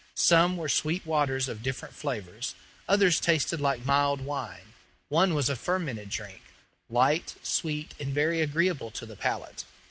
Some were sweet waters of different flavors, others tasted like mild wine, one was a fermented drink, light, sweet, and very agreeable to the palate.